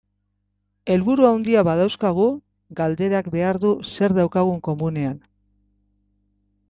Helburu handiak badauzkagu, galderak behar du zer daukagun komunean.